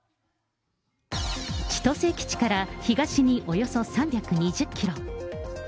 千歳基地から東におよそ３２０キロ。